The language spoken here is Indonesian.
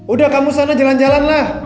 udah kamu sana jalan jalan lah